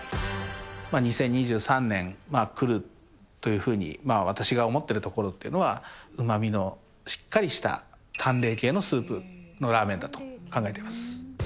２０２３年くるというふうに私が思ってるところっていうのは、うまみのしっかりした淡麗系のスープのラーメンだと考えています。